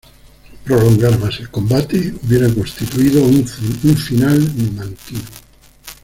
Prolongar más el combate hubiera constituido un final numantino.